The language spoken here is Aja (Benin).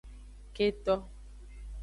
Keto.